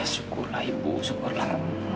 syukurlah ibu syukurlah